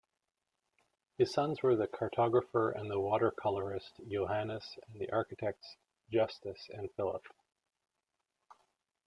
His sons were the cartographer and watercolourist Johannes and the architects Justus and Philip.